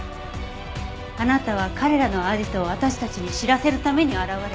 あなたは彼らのアジトを私たちに知らせるために現れた。